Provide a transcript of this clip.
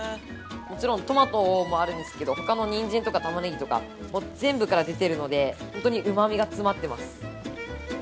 もちろんトマトもあるんですけれども、ほかのニンジンとか、タマネギとか、全部から出ているので本当にうまみが詰まっています。